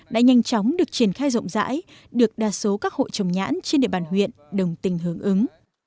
đã nhanh chóng được triển khai rộng rãi được đa số các hộ trồng nhãn trên địa bàn huyện đồng tình hướng ứng